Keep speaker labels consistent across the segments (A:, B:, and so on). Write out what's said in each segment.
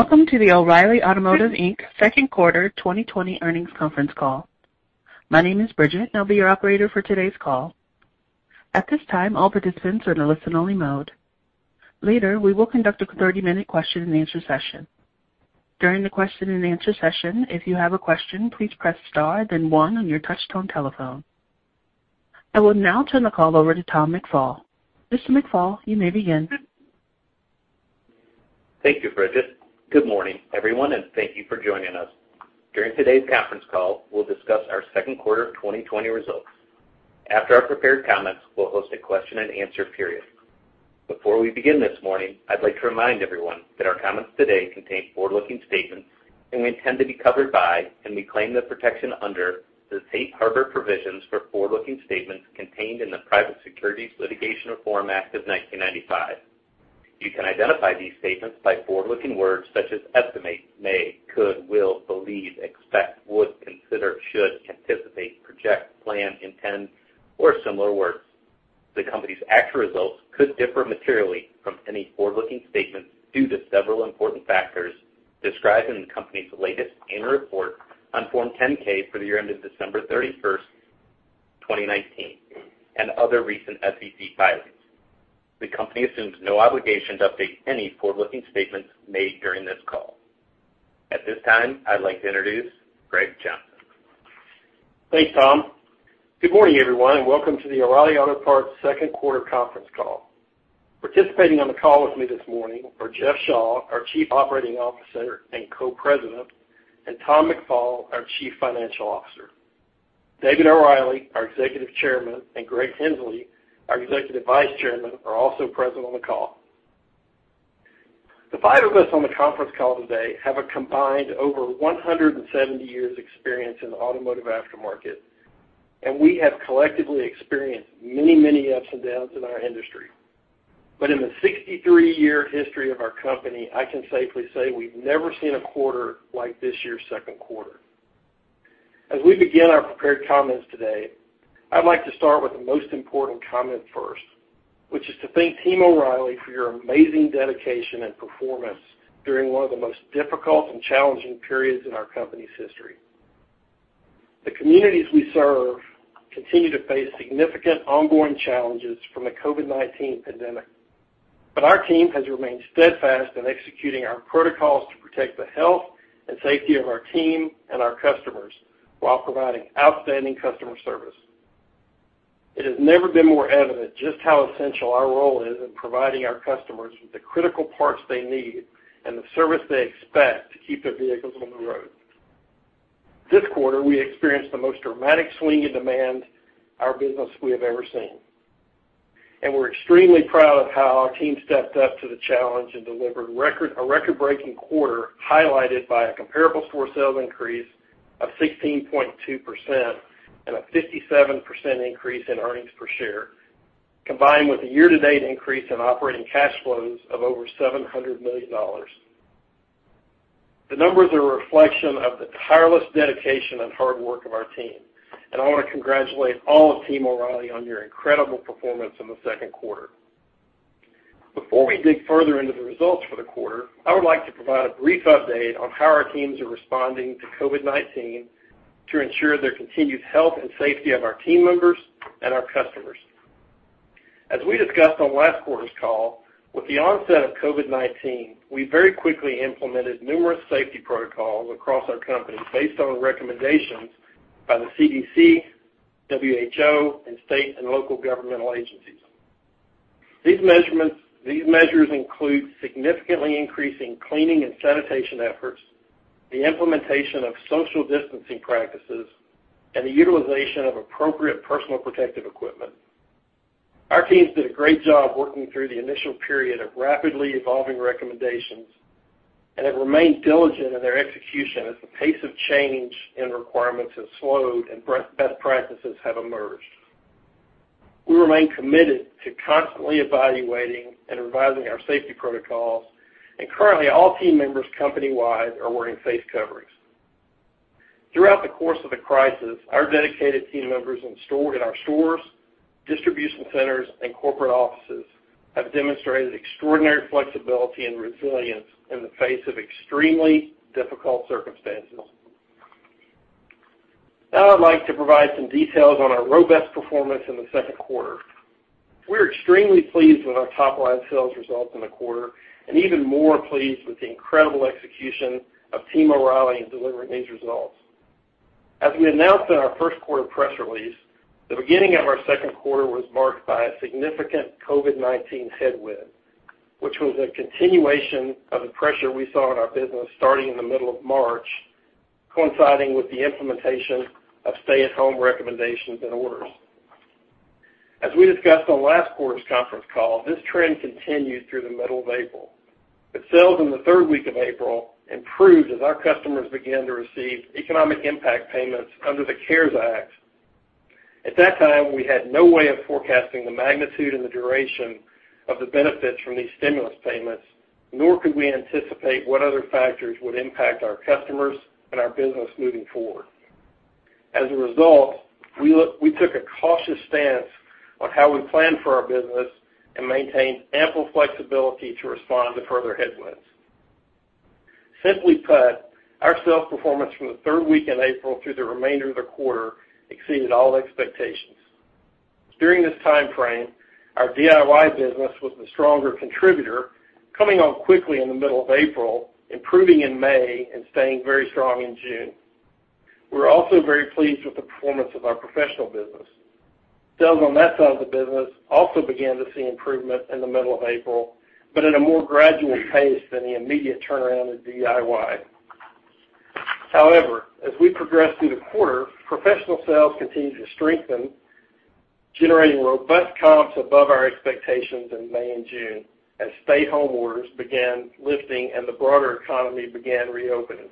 A: Welcome to the O'Reilly Automotive, Inc. second quarter 2020 earnings conference call. My name is Bridget, and I'll be your operator for today's call. At this time, all participants are in a listen-only mode. Later, we will conduct a 30-minute question and answer session. During the question and answer session, if you have a question, please press star then one on your touchtone telephone. I will now turn the call over to Tom McFall. Mr. McFall, you may begin.
B: Thank you, Bridget. Good morning, everyone, and thank you for joining us. During today's conference call, we'll discuss our second quarter 2020 results. After our prepared comments, we'll host a question and answer period. Before we begin this morning, I'd like to remind everyone that our comments today contain forward-looking statements, and we intend to be covered by, and we claim the protection under, the safe harbor provisions for forward-looking statements contained in the Private Securities Litigation Reform Act of 1995. You can identify these statements by forward-looking words such as estimate, may, could, will, believe, expect, would, consider, should, anticipate, project, plan, intend, or similar words. The company's actual results could differ materially from any forward-looking statements due to several important factors described in the company's latest annual report on Form 10-K for the year ended December 31st, 2019, and other recent SEC filings. The company assumes no obligation to update any forward-looking statements made during this call. At this time, I'd like to introduce Greg Johnson.
C: Thanks, Tom. Good morning, everyone, and welcome to the O'Reilly Auto Parts second quarter conference call. Participating on the call with me this morning are Jeff Shaw, our Chief Operating Officer and Co-President, and Tom McFall, our Chief Financial Officer. David O'Reilly, our Executive Chairman, and Greg Henslee, our Executive Vice Chairman, are also present on the call. The five of us on the conference call today have a combined over 170 years' experience in the automotive aftermarket, and we have collectively experienced many ups and downs in our industry. In the 63-year history of our company, I can safely say we've never seen a quarter like this year's second quarter. As we begin our prepared comments today, I'd like to start with the most important comment first, which is to thank Team O'Reilly for your amazing dedication and performance during one of the most difficult and challenging periods in our company's history. The communities we serve continue to face significant ongoing challenges from the COVID-19 pandemic. Our team has remained steadfast in executing our protocols to protect the health and safety of our team and our customers while providing outstanding customer service. It has never been more evident just how essential our role is in providing our customers with the critical parts they need and the service they expect to keep their vehicles on the road. This quarter, we experienced the most dramatic swing in demand our business we have ever seen, and we're extremely proud of how our team stepped up to the challenge and delivered a record-breaking quarter, highlighted by a comparable store sales increase of 16.2% and a 57% increase in earnings per share, combined with a year-to-date increase in operating cash flows of over $700 million. The numbers are a reflection of the tireless dedication and hard work of our team, and I want to congratulate all of Team O'Reilly on your incredible performance in the second quarter. Before we dig further into the results for the quarter, I would like to provide a brief update on how our teams are responding to COVID-19 to ensure the continued health and safety of our team members and our customers. As we discussed on last quarter's call, with the onset of COVID-19, we very quickly implemented numerous safety protocols across our company based on recommendations by the CDC, WHO, and state and local governmental agencies. These measures include significantly increasing cleaning and sanitation efforts, the implementation of social distancing practices, and the utilization of appropriate personal protective equipment. Our teams did a great job working through the initial period of rapidly evolving recommendations and have remained diligent in their execution as the pace of change and requirements have slowed and best practices have emerged. We remain committed to constantly evaluating and revising our safety protocols, and currently, all team members company-wide are wearing face coverings. Throughout the course of the crisis, our dedicated team members in our stores, distribution centers, and corporate offices have demonstrated extraordinary flexibility and resilience in the face of extremely difficult circumstances. I'd like to provide some details on our robust performance in the second quarter. We're extremely pleased with our top-line sales results in the quarter and even more pleased with the incredible execution of Team O'Reilly in delivering these results. As we announced in our first quarter press release, the beginning of our second quarter was marked by a significant COVID-19 headwind, which was a continuation of the pressure we saw in our business starting in the middle of March, coinciding with the implementation of stay-at-home recommendations and orders. As we discussed on last quarter's conference call, this trend continued through the middle of April, sales in the third week of April improved as our customers began to receive economic impact payments under the CARES Act. At that time, we had no way of forecasting the magnitude and the duration of the benefits from these stimulus payments, nor could we anticipate what other factors would impact our customers and our business moving forward. As a result, we took a cautious stance on how we plan for our business and maintained ample flexibility to respond to further headwinds. Simply put, our sales performance from the third week in April through the remainder of the quarter exceeded all expectations. During this time frame, our DIY business was the stronger contributor, coming on quickly in the middle of April, improving in May, and staying very strong in June. We're also very pleased with the performance of our professional business. Sales on that side of the business also began to see improvement in the middle of April, but at a more gradual pace than the immediate turnaround in DIY. As we progressed through the quarter, professional sales continued to strengthen, generating robust comps above our expectations in May and June as stay-home orders began lifting and the broader economy began reopening.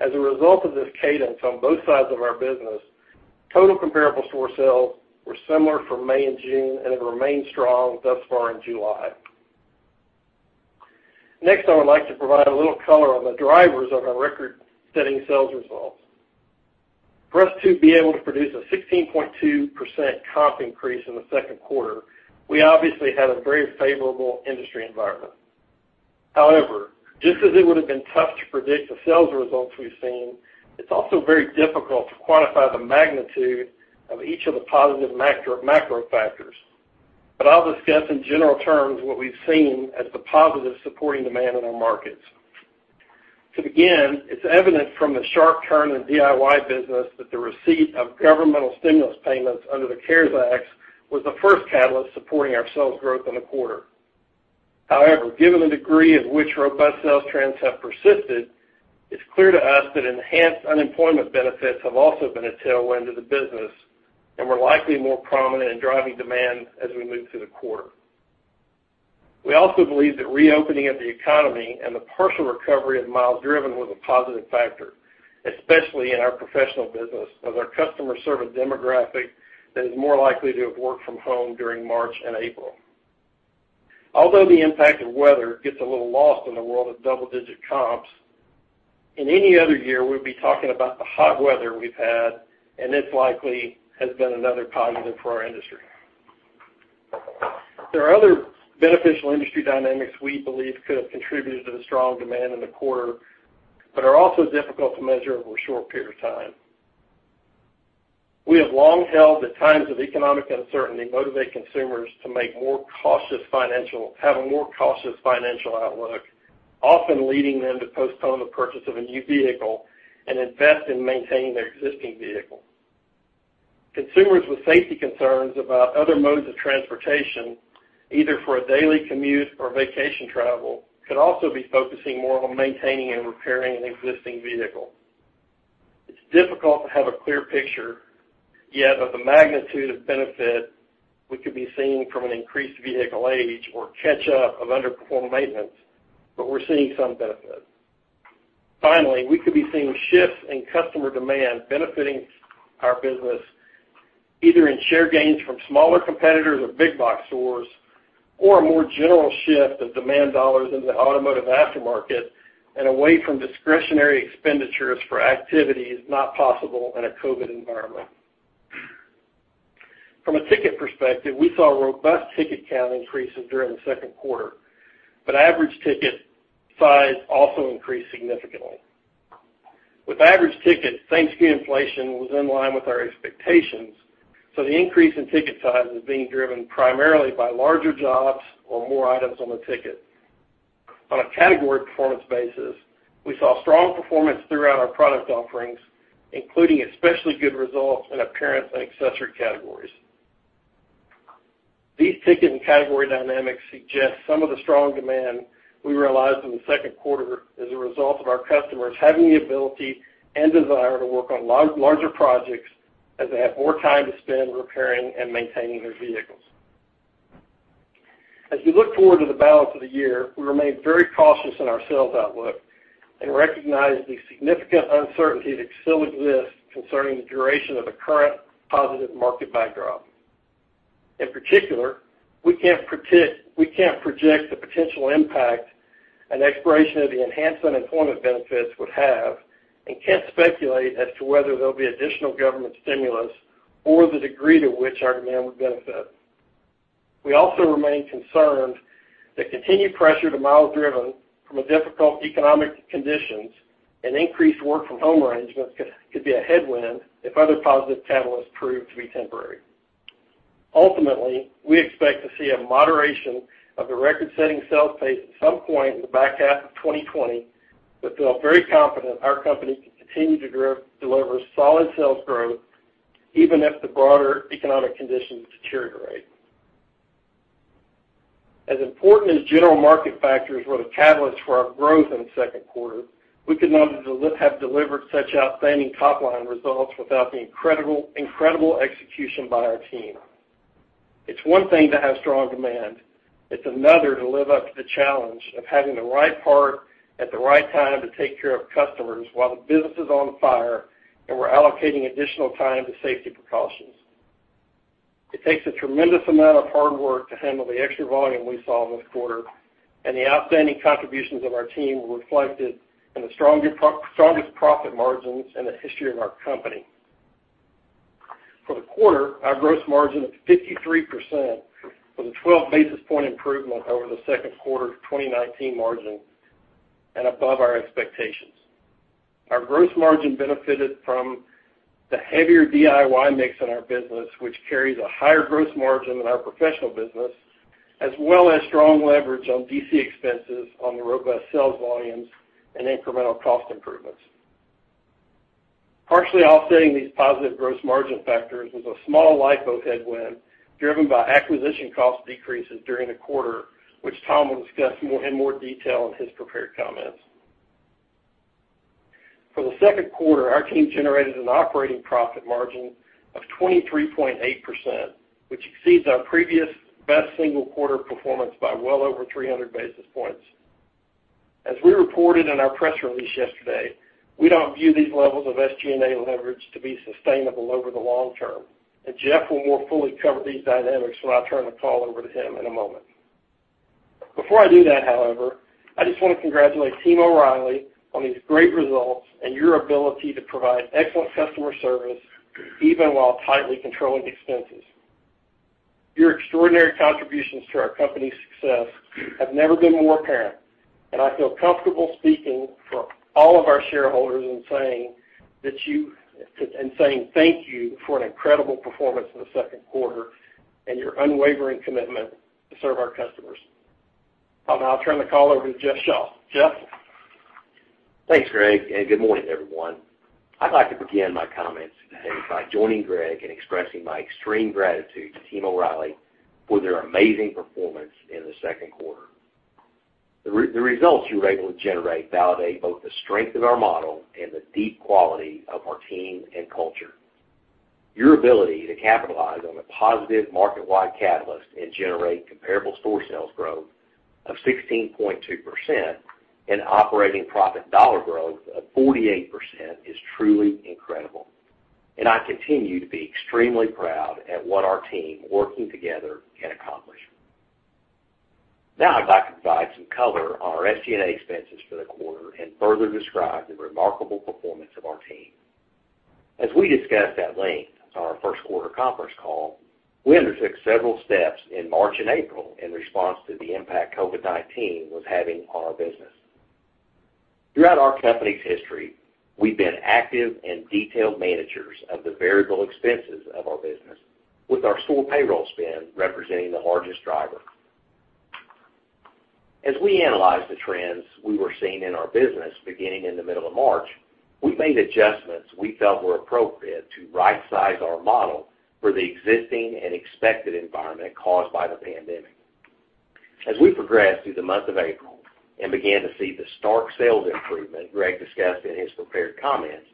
C: As a result of this cadence on both sides of our business, total comparable store sales were similar for May and June and have remained strong thus far in July. I would like to provide a little color on the drivers of our record-setting sales results. For us to be able to produce a 16.2% comp increase in the second quarter, we obviously had a very favorable industry environment. Just as it would've been tough to predict the sales results we've seen, it's also very difficult to quantify the magnitude of each of the positive macro factors. I'll discuss in general terms what we've seen as the positive supporting demand in our markets. To begin, it's evident from the sharp turn in DIY business that the receipt of governmental stimulus payments under the CARES Act was the first catalyst supporting our sales growth in the quarter. Given the degree of which robust sales trends have persisted, it's clear to us that enhanced unemployment benefits have also been a tailwind to the business and were likely more prominent in driving demand as we moved through the quarter. We also believe that reopening of the economy and the partial recovery of miles driven was a positive factor, especially in our professional business, as our customers serve a demographic that is more likely to have worked from home during March and April. Although the impact of weather gets a little lost in the world of double-digit comps, in any other year, we'd be talking about the hot weather we've had, and this likely has been another positive for our industry. There are other beneficial industry dynamics we believe could have contributed to the strong demand in the quarter but are also difficult to measure over a short period of time. We have long held that times of economic uncertainty motivate consumers to have a more cautious financial outlook, often leading them to postpone the purchase of a new vehicle and invest in maintaining their existing vehicle. Consumers with safety concerns about other modes of transportation, either for a daily commute or vacation travel, could also be focusing more on maintaining and repairing an existing vehicle. It's difficult to have a clear picture yet of the magnitude of benefit we could be seeing from an increased vehicle age or catch-up of underperformed maintenance, but we're seeing some benefit. Finally, we could be seeing shifts in customer demand benefiting our business, either in share gains from smaller competitors or big box stores, or a more general shift of demand dollars into the automotive aftermarket and away from discretionary expenditures for activities not possible in a COVID-19 environment. From a ticket perspective, we saw robust ticket count increases during the second quarter, but average ticket size also increased significantly. With average ticket, same-store inflation was in line with our expectations, so the increase in ticket size was being driven primarily by larger jobs or more items on the ticket. On a category performance basis, we saw strong performance throughout our product offerings, including especially good results in appearance and accessory categories. These ticket and category dynamics suggest some of the strong demand we realized in the second quarter as a result of our customers having the ability and desire to work on larger projects, as they have more time to spend repairing and maintaining their vehicles. As we look forward to the balance of the year, we remain very cautious in our sales outlook and recognize the significant uncertainty that still exists concerning the duration of the current positive market backdrop. In particular, we can't project the potential impact an expiration of the enhanced unemployment benefits would have and can't speculate as to whether there'll be additional government stimulus or the degree to which our demand would benefit. We also remain concerned that continued pressure to miles driven from a difficult economic conditions and increased work from home arrangements could be a headwind if other positive catalysts prove to be temporary. Ultimately, we expect to see a moderation of the record-setting sales pace at some point in the back half of 2020, but feel very confident our company can continue to deliver solid sales growth even if the broader economic conditions deteriorate. As important as general market factors were the catalyst for our growth in the second quarter, we could not have delivered such outstanding top-line results without the incredible execution by our team. It's one thing to have strong demand, it's another to live up to the challenge of having the right part at the right time to take care of customers while the business is on fire and we're allocating additional time to safety precautions. It takes a tremendous amount of hard work to handle the extra volume we saw this quarter, and the outstanding contributions of our team were reflected in the strongest profit margins in the history of our company. For the quarter, our gross margin of 53% was a 12 basis point improvement over the second quarter of 2019 margin and above our expectations. Our gross margin benefited from the heavier DIY mix in our business, which carries a higher gross margin than our professional business, as well as strong leverage on DC expenses on the robust sales volumes and incremental cost improvements. Partially offsetting these positive gross margin factors was a small LIFO headwind driven by acquisition cost decreases during the quarter, which Tom will discuss in more detail in his prepared comments. For the second quarter, our team generated an operating profit margin of 23.8%, which exceeds our previous best single quarter performance by well over 300 basis points. As we reported in our press release yesterday, we don't view these levels of SG&A leverage to be sustainable over the long term, and Jeff will more fully cover these dynamics when I turn the call over to him in a moment. Before I do that, however, I just want to congratulate Team O’Reilly on these great results and your ability to provide excellent customer service even while tightly controlling expenses. Your extraordinary contributions to our company's success have never been more apparent, and I feel comfortable speaking for all of our shareholders in saying thank you for an incredible performance in the second quarter and your unwavering commitment to serve our customers. I'll now turn the call over to Jeff Shaw. Jeff?
D: Thanks, Greg, and good morning, everyone. I'd like to begin my comments today by joining Greg in expressing my extreme gratitude to Team O’Reilly for their amazing performance in the second quarter. The results you were able to generate validate both the strength of our model and the deep quality of our team and culture. Your ability to capitalize on the positive market-wide catalyst and generate comparable store sales growth of 16.2% and operating profit dollar growth of 48% is truly incredible, and I continue to be extremely proud at what our team working together can accomplish. Now, I'd like to provide some color on our SG&A expenses for the quarter and further describe the remarkable performance of our team. As we discussed at length on our first quarter conference call, we undertook several steps in March and April in response to the impact COVID-19 was having on our business. Throughout our company's history, we've been active and detailed managers of the variable expenses of our business with our store payroll spend representing the largest driver. As we analyzed the trends we were seeing in our business beginning in the middle of March, we made adjustments we felt were appropriate to right size our model for the existing and expected environment caused by the pandemic. As we progressed through the month of April and began to see the stark sales improvement Greg discussed in his prepared comments,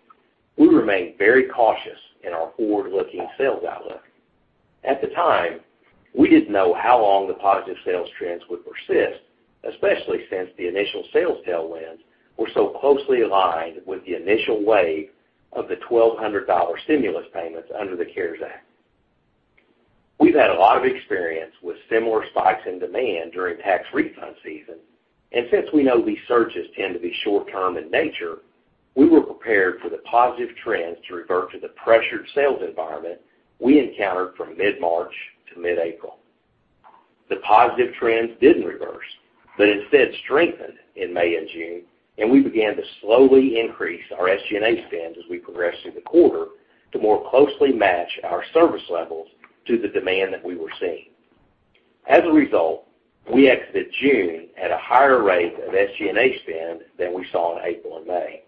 D: we remained very cautious in our forward-looking sales outlook. At the time, we didn't know how long the positive sales trends would persist, especially since the initial sales tailwinds were so closely aligned with the initial wave of the $1,200 stimulus payments under the CARES Act. We've had a lot of experience with similar spikes in demand during tax refund season, since we know these surges tend to be short-term in nature, we were prepared for the positive trends to revert to the pressured sales environment we encountered from mid-March to mid-April. The positive trends didn't reverse, instead strengthened in May and June, we began to slowly increase our SG&A spend as we progressed through the quarter to more closely match our service levels to the demand that we were seeing. As a result, we exited June at a higher rate of SG&A spend than we saw in April and May.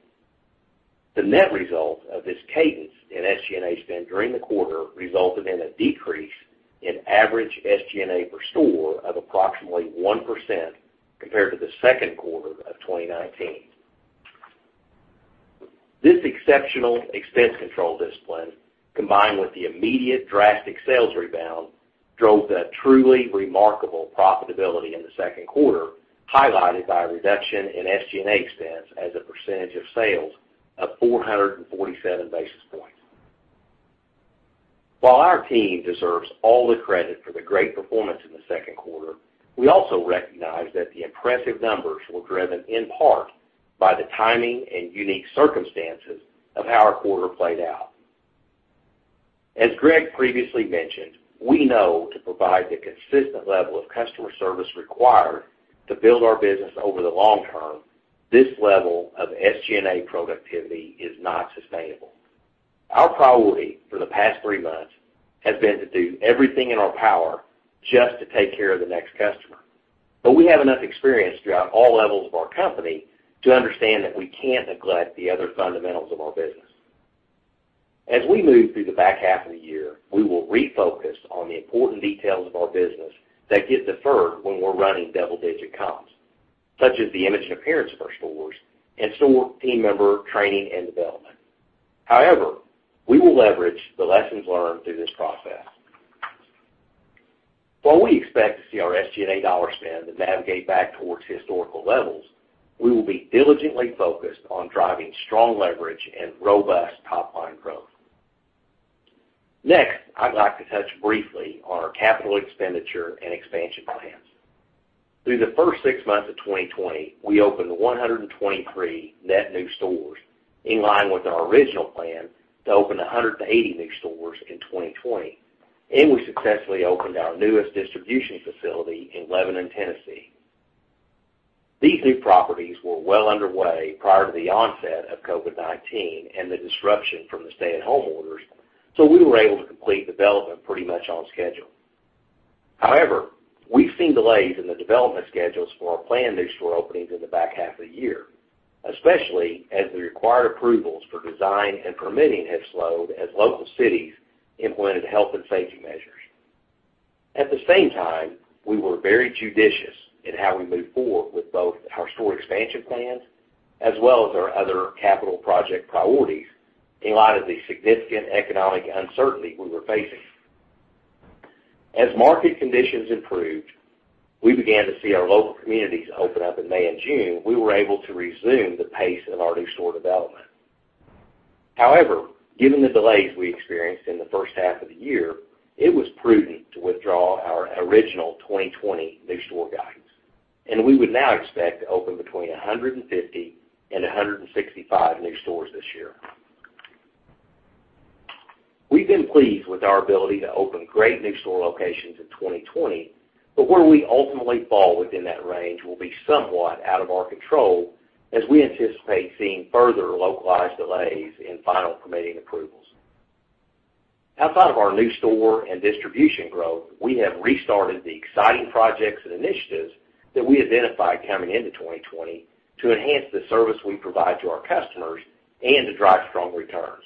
D: The net result of this cadence in SG&A spend during the quarter resulted in a decrease in average SG&A per store of approximately 1% compared to the second quarter of 2019. This exceptional expense control discipline, combined with the immediate drastic sales rebound, drove a truly remarkable profitability in the second quarter, highlighted by a reduction in SG&A expense as a percentage of sales of 447 basis points. While our team deserves all the credit for the great performance in the second quarter, we also recognize that the impressive numbers were driven in part by the timing and unique circumstances of how our quarter played out. As Greg previously mentioned, we know to provide the consistent level of customer service required to build our business over the long term, this level of SG&A productivity is not sustainable. Our priority for the past three months has been to do everything in our power just to take care of the next customer, but we have enough experience throughout all levels of our company to understand that we can't neglect the other fundamentals of our business. As we move through the back half of the year, we will refocus on the important details of our business that get deferred when we're running double-digit comps, such as the image and appearance of our stores and store team member training and development. However, we will leverage the lessons learned through this process. While we expect to see our SG&A dollar spend to navigate back towards historical levels, we will be diligently focused on driving strong leverage and robust top-line growth. Next, I'd like to touch briefly on our capital expenditure and expansion plans. Through the first six months of 2020, we opened 123 net new stores, in line with our original plan to open 180 new stores in 2020, and we successfully opened our newest distribution facility in Lebanon, Tennessee. These new properties were well underway prior to the onset of COVID-19 and the disruption from the stay-at-home orders, so we were able to complete development pretty much on schedule. However, we've seen delays in the development schedules for our planned new store openings in the back half of the year, especially as the required approvals for design and permitting have slowed as local cities implemented health and safety measures. At the same time, we were very judicious in how we moved forward with both our store expansion plans as well as our other capital project priorities in light of the significant economic uncertainty we were facing. As market conditions improved, we began to see our local communities open up in May and June. We were able to resume the pace of our new store development. Given the delays we experienced in the first half of the year, it was prudent to withdraw our original 2020 new store guidance, and we would now expect to open between 150 and 165 new stores this year. We've been pleased with our ability to open great new store locations in 2020, but where we ultimately fall within that range will be somewhat out of our control as we anticipate seeing further localized delays in final permitting approvals. Outside of our new store and distribution growth, we have restarted the exciting projects and initiatives that we identified coming into 2020 to enhance the service we provide to our customers and to drive strong returns.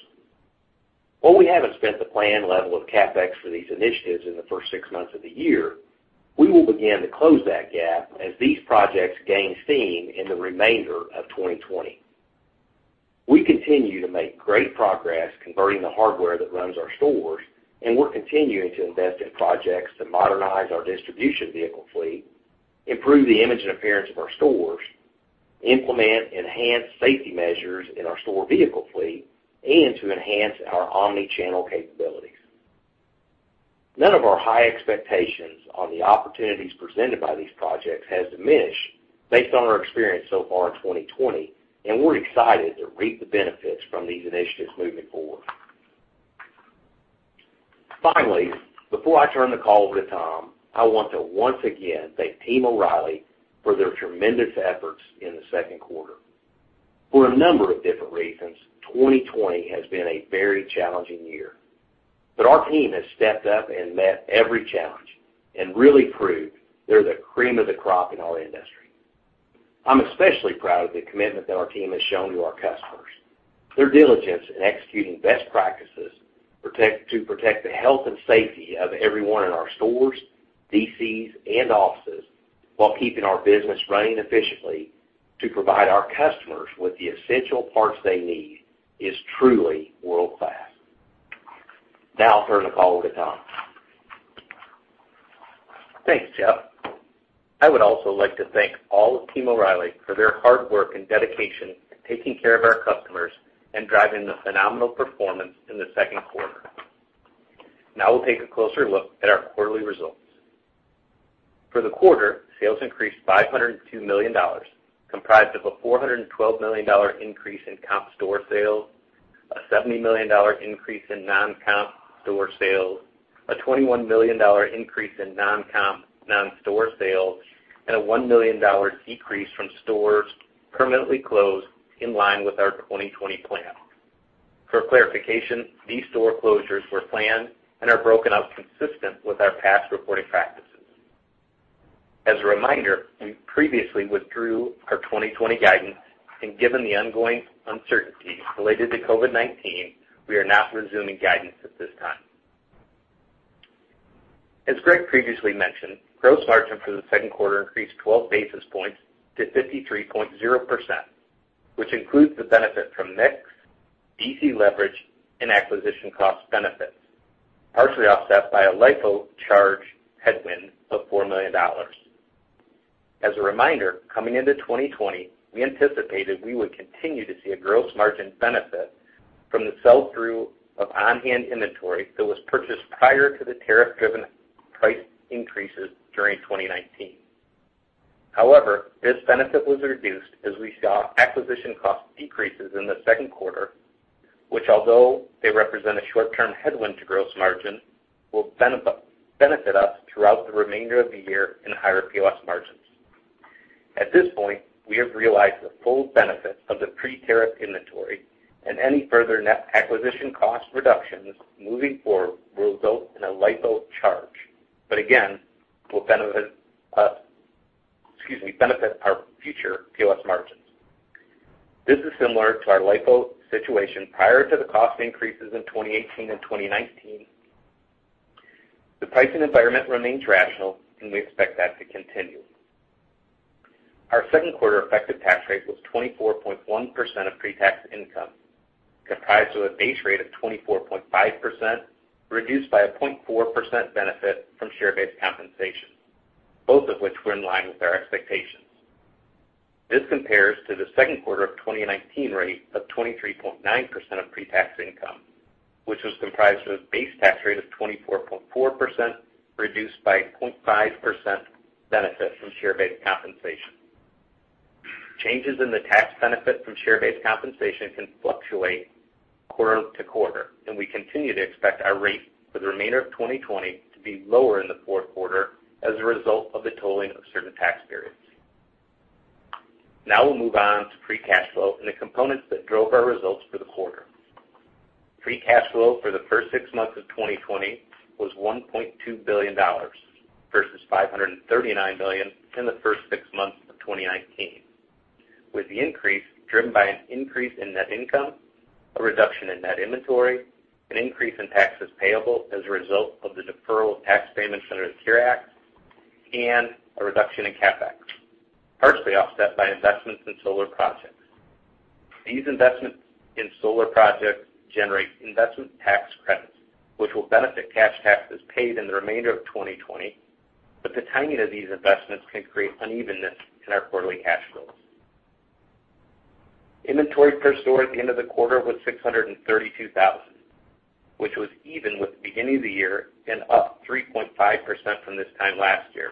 D: While we haven't spent the planned level of CapEx for these initiatives in the first six months of the year, we will begin to close that gap as these projects gain steam in the remainder of 2020. We continue to make great progress converting the hardware that runs our stores, and we're continuing to invest in projects to modernize our distribution vehicle fleet, improve the image and appearance of our stores, implement enhanced safety measures in our store vehicle fleet, and to enhance our omni-channel capabilities. None of our high expectations on the opportunities presented by these projects has diminished based on our experience so far in 2020, and we're excited to reap the benefits from these initiatives moving forward. Finally, before I turn the call over to Tom, I want to once again thank Team O'Reilly for their tremendous efforts in the second quarter. For a number of different reasons, 2020 has been a very challenging year. Our team has stepped up and met every challenge and really proved they're the cream of the crop in our industry. I'm especially proud of the commitment that our team has shown to our customers. Their diligence in executing best practices to protect the health and safety of everyone in our stores, DCs, and offices while keeping our business running efficiently to provide our customers with the essential parts they need is truly world-class. Now I'll turn the call over to Tom.
B: Thanks, Jeff. I would also like to thank all of Team O'Reilly for their hard work and dedication in taking care of our customers and driving the phenomenal performance in the second quarter. Now we'll take a closer look at our quarterly results. For the quarter, sales increased $502 million, comprised of a $412 million increase in comp store sales, a $70 million increase in non-comp store sales, a $21 million increase in non-comp non-store sales, and a $1 million decrease from stores permanently closed in line with our 2020 plan. For clarification, these store closures were planned and are broken up consistent with our past reporting practices. As a reminder, we previously withdrew our 2020 guidance, and given the ongoing uncertainty related to COVID-19, we are not resuming guidance at this time. As Greg previously mentioned, gross margin for the second quarter increased 12 basis points to 53.0%, which includes the benefit from mix, DC leverage, and acquisition cost benefits, partially offset by a LIFO charge headwind of $4 million. As a reminder, coming into 2020, we anticipated we would continue to see a gross margin benefit from the sell-through of on-hand inventory that was purchased prior to the tariff-driven price increases during 2019. However, this benefit was reduced as we saw acquisition cost decreases in the second quarter, which although they represent a short-term headwind to gross margin, will benefit us throughout the remainder of the year in higher POS margins. At this point, we have realized the full benefit of the pre-tariff inventory, and any further net acquisition cost reductions moving forward will result in a LIFO charge, but again, will benefit our future POS margins. This is similar to our LIFO situation prior to the cost increases in 2018 and 2019. The pricing environment remains rational, and we expect that to continue. Our second quarter effective tax rate was 24.1% of pre-tax income, comprised of a base rate of 24.5%, reduced by a 0.4% benefit from share-based compensation, both of which were in line with our expectations. This compares to the second quarter of 2019 rate of 23.9% of pre-tax income, which was comprised of a base tax rate of 24.4%, reduced by 0.5% benefit from share-based compensation. Changes in the tax benefit from share-based compensation can fluctuate quarter-to-quarter, and we continue to expect our rate for the remainder of 2020 to be lower in the fourth quarter as a result of the tolling of certain tax periods. Now we'll move on to free cash flow and the components that drove our results for the quarter. Free cash flow for the first six months of 2020 was $1.2 billion, versus $539 million in the first six months of 2019, with the increase driven by an increase in net income, a reduction in net inventory, an increase in taxes payable as a result of the deferral of tax payments under the CARES Act, and a reduction in CapEx, partially offset by investments in solar projects. These investments in solar projects generate investment tax credits, which will benefit cash taxes paid in the remainder of 2020, but the timing of these investments can create unevenness in our quarterly cash flows. Inventory per store at the end of the quarter was 632,000, which was even with the beginning of the year and up 3.5% from this time last year.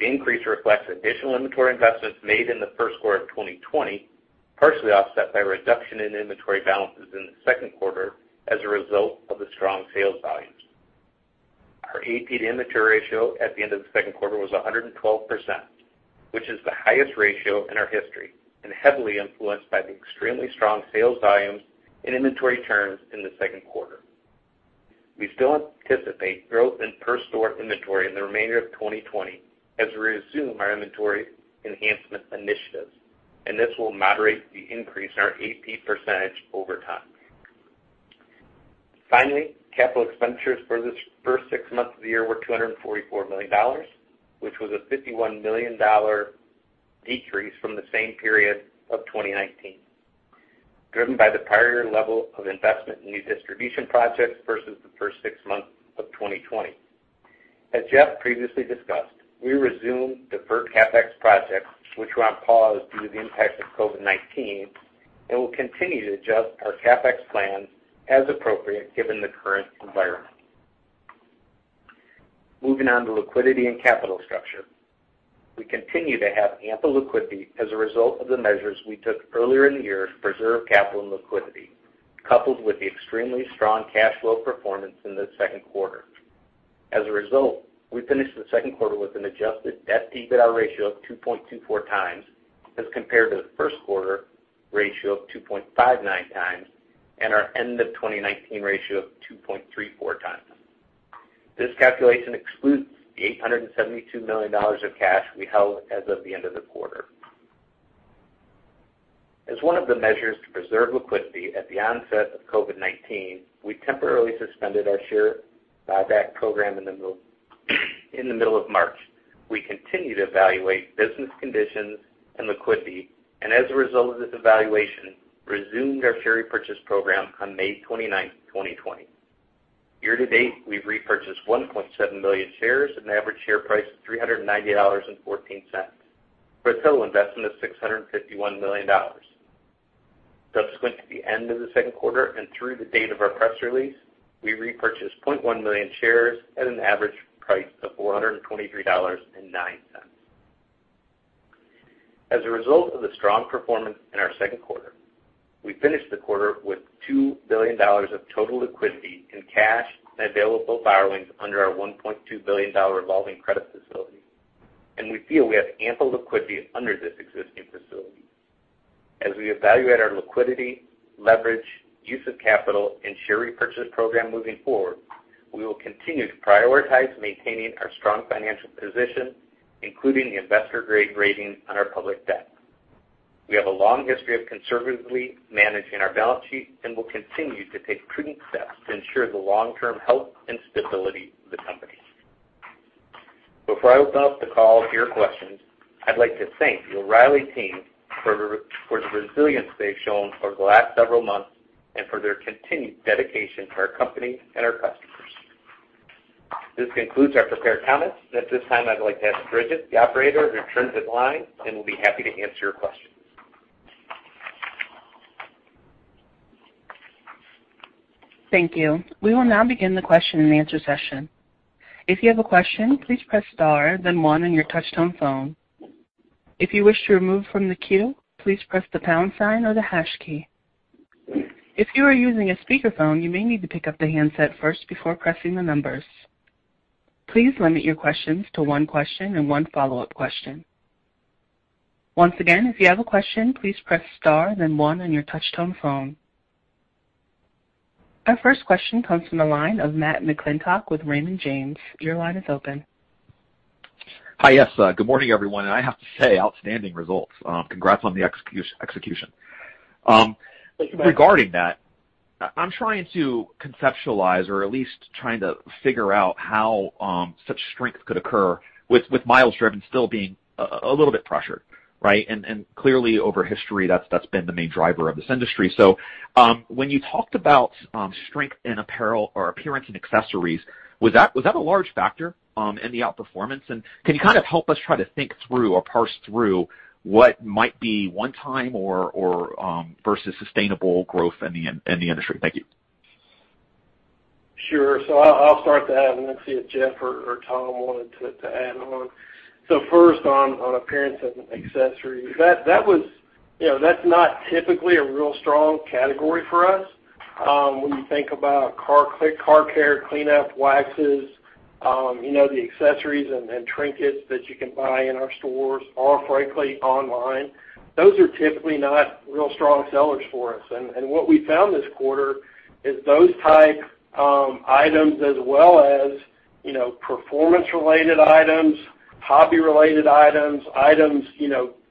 B: The increase reflects additional inventory investments made in the first quarter of 2020, partially offset by a reduction in inventory balances in the second quarter as a result of the strong sales volumes. Our AP to inventory ratio at the end of the second quarter was 112%, which is the highest ratio in our history and heavily influenced by the extremely strong sales volumes and inventory turns in the second quarter. We still anticipate growth in per-store inventory in the remainder of 2020 as we resume our inventory enhancement initiatives, and this will moderate the increase in our AP percentage over time. Finally, capital expenditures for the first six months of the year were $244 million, which was a $51 million decrease from the same period of 2019, driven by the prior level of investment in new distribution projects versus the first six months of 2020. As Jeff previously discussed, we resumed deferred CapEx projects, which were on pause due to the impact of COVID-19, and we'll continue to adjust our CapEx plans as appropriate given the current environment. Moving on to liquidity and capital structure. We continue to have ample liquidity as a result of the measures we took earlier in the year to preserve capital and liquidity, coupled with the extremely strong cash flow performance in the second quarter. As a result, we finished the second quarter with an adjusted debt-to-EBITDA ratio of 2.24 times as compared to the first quarter ratio of 2.59 times and our end of 2019 ratio of 2.34 times. This calculation excludes the $872 million of cash we held as of the end of the quarter. As one of the measures to preserve liquidity at the onset of COVID-19, we temporarily suspended our share buyback program in the middle of March. We continue to evaluate business conditions and liquidity and, as a result of this evaluation, resumed our share repurchase program on May 29th, 2020. Year to date, we've repurchased 1.7 million shares at an average share price of $390.14 for a total investment of $651 million. Subsequent to the end of the second quarter and through the date of our press release, we repurchased 0.1 million shares at an average price of $423.09. As a result of the strong performance in our second quarter, we finished the quarter with $2 billion of total liquidity in cash and available borrowings under our $1.2 billion revolving credit facility, and we feel we have ample liquidity under this existing facility. As we evaluate our liquidity, leverage, use of capital, and share repurchase program moving forward, we will continue to prioritize maintaining our strong financial position, including the investment-grade rating on our public debt. We have a long history of conservatively managing our balance sheet and will continue to take prudent steps to ensure the long-term health and stability of the company. Before I open up the call to your questions, I'd like to thank the O'Reilly team for the resilience they've shown over the last several months and for their continued dedication to our company and our customers. This concludes our prepared comments. At this time, I'd like to ask Bridget, the Operator, to turn to the line, and we'll be happy to answer your questions.
A: Thank you. We will now begin the question and answer session. If you have a question, please press star then one on your touchtone phone. If you wish to remove from the queue, please press the pound sign or the hash key. If you are using a speakerphone, you may need to pick up the handset first before pressing the numbers. Please limit your questions to one question and one follow-up question. Once again, if you have a question, please press star then one on your touchtone phone. Our first question comes from the line of Matthew McClintock with Raymond James. Your line is open.
E: Hi. Yes. Good morning, everyone. I have to say, outstanding results. Congrats on the execution.
B: Thank you, Matt.
E: Regarding that, I'm trying to conceptualize or at least trying to figure out how such strength could occur with miles driven still being a little bit pressured, right? Clearly over history, that's been the main driver of this industry. When you talked about strength in apparel or appearance and accessories, was that a large factor in the outperformance? Can you kind of help us try to think through or parse through what might be one time versus sustainable growth in the industry? Thank you.
C: Sure. I'll start that and then see if Jeff or Tom wanted to add on. First, on appearance and accessories. That's not typically a real strong category for us. When you think about car care, clean up waxes, the accessories and trinkets that you can buy in our stores or frankly, online, those are typically not real strong sellers for us. What we found this quarter is those type items as well as performance related items, hobby related items.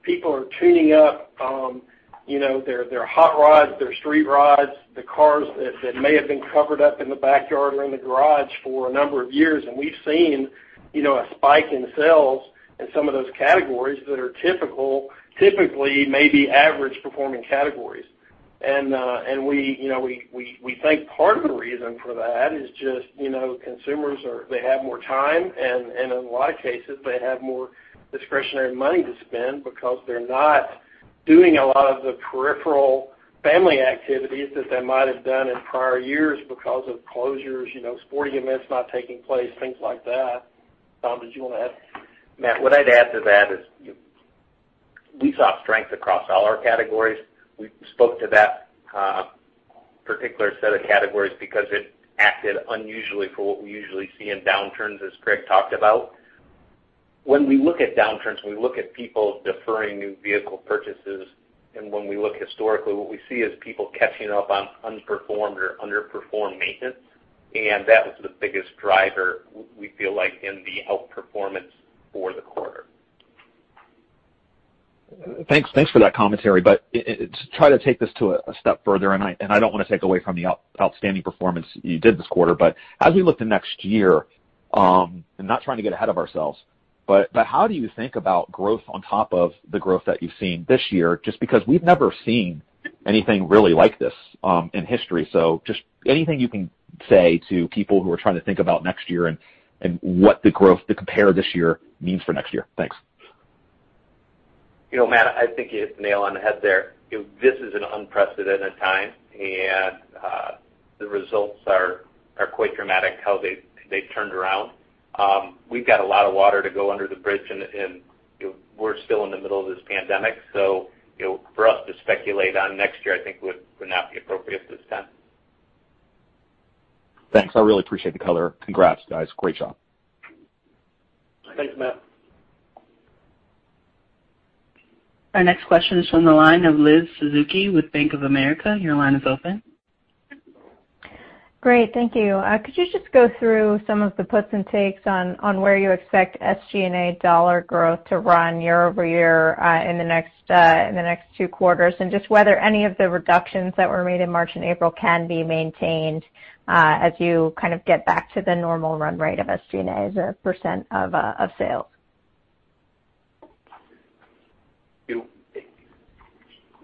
C: People are tuning up their hot rods, their street rods, the cars that may have been covered up in the backyard or in the garage for a number of years. We've seen a spike in sales in some of those categories that are typically maybe average performing categories. We think part of the reason for that is just consumers, they have more time, and in a lot of cases, they have more discretionary money to spend because they're not doing a lot of the peripheral family activities that they might have done in prior years because of closures, sporting events not taking place, things like that. Tom, did you want to add?
B: Matt, what I'd add to that is we saw strength across all our categories. We spoke to that particular set of categories because it acted unusually for what we usually see in downturns, as Greg talked about. When we look at downturns, we look at people deferring new vehicle purchases. When we look historically, what we see is people catching up on unperformed or underperformed maintenance. That was the biggest driver, we feel like, in the outperformance for the quarter.
E: Thanks for that commentary. To try to take this to a step further, and I don't want to take away from the outstanding performance you did this quarter, but as we look to next year, and not trying to get ahead of ourselves, but how do you think about growth on top of the growth that you've seen this year? Just because we've never seen anything really like this in history. Just anything you can say to people who are trying to think about next year and what the growth to compare this year means for next year. Thanks.
B: Matt, I think you hit the nail on the head there. This is an unprecedented time. The results are quite dramatic how they've turned around. We've got a lot of water to go under the bridge and we're still in the middle of this pandemic. For us to speculate on next year, I think would not be appropriate at this time.
E: Thanks. I really appreciate the color. Congrats, guys. Great job.
C: Thanks, Matt.
A: Our next question is from the line of Elizabeth Suzuki with Bank of America. Your line is open.
F: Great. Thank you. Could you just go through some of the puts and takes on where you expect SG&A dollar growth to run year-over-year in the next two quarters? Just whether any of the reductions that were made in March and April can be maintained as you kind of get back to the normal run rate of SG&A as a % of sales.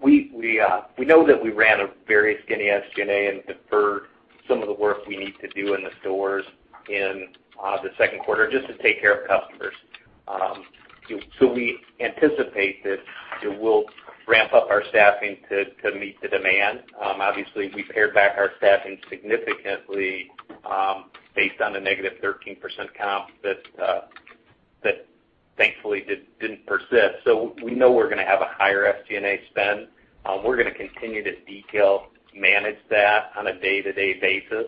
B: We know that we ran a very skinny SG&A and deferred some of the work we need to do in the stores in the second quarter just to take care of customers. We anticipate that we'll ramp up our staffing to meet the demand. Obviously, we pared back our staffing significantly based on the negative 13% comp that thankfully didn't persist. We know we're going to have a higher SG&A spend. We're going to continue to detail manage that on a day-to-day basis.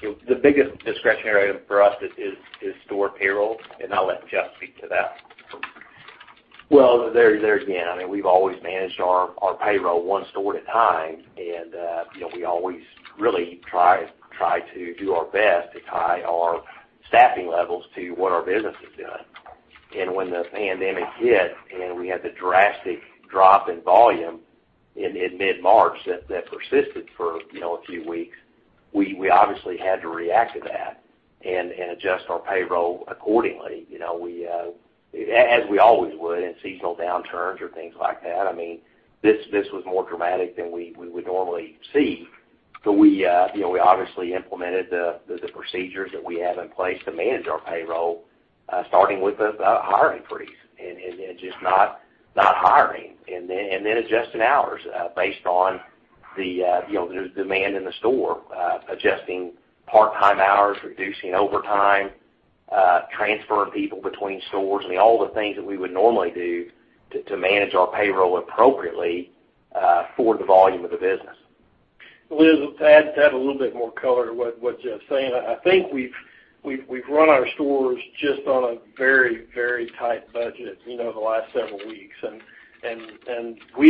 B: The biggest discretionary item for us is store payroll. I'll let Jeff speak to that.
D: Well, there again, we've always managed our payroll one store at a time. We always really try to do our best to tie our staffing levels to what our business is doing. When the pandemic hit and we had the drastic drop in volume in mid-March that persisted for a few weeks, we obviously had to react to that and adjust our payroll accordingly, as we always would in seasonal downturns or things like that. This was more dramatic than we would normally see. We obviously implemented the procedures that we have in place to manage our payroll starting with a hiring freeze and just not hiring and then adjusting hours based on the demand in the store. Adjusting part-time hours, reducing overtime, transferring people between stores. All the things that we would normally do to manage our payroll appropriately for the volume of the business.
C: Liz, to add a little bit more color to what Jeff's saying. We